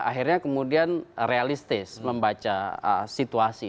akhirnya kemudian realistis membaca situasi